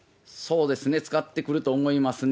使ってくると思いますね。